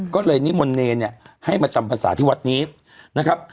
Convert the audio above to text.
ก็เลยนิมนต์เนรเนี่ยให้มาจำพรรษาที่วัดนี้นะครับ